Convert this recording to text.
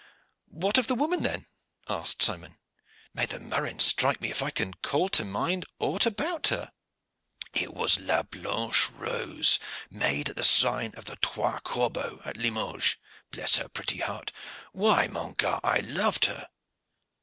"What of the woman, then?" asked Simon. "May the murrain strike me if I can call to mind aught about her." "It was La Blanche Rose, maid at the sign of the 'Trois Corbeaux' at Limoges. Bless her pretty heart! Why, mon gar., I loved her."